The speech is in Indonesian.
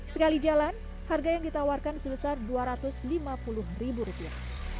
sekali jalan harga yang ditawarkan sebesar dua ratus lima puluh ribu rupiah